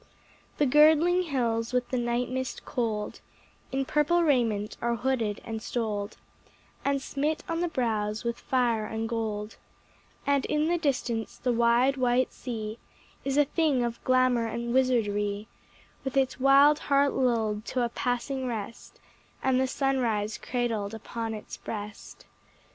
The girdling hills with the night mist cold In purple raiment are hooded and stoled And smit on the brows with fire and gold; And in the distance the wide, white sea Is a thing of glamor and wizardry, With its wild heart lulled to a passing rest, And the sunrise cradled upon its breast.